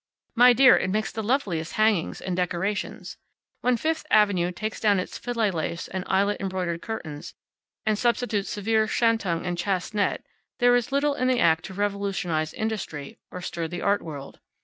My dear, it makes the loveliest hangings and decorations. When Fifth Avenue takes down its filet lace and eyelet embroidered curtains, and substitutes severe shantung and chaste net, there is little in the act to revolutionize industry, or stir the art world.